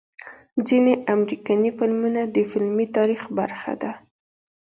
ځنې امريکني فلمونه د فلمي تاريخ برخه ده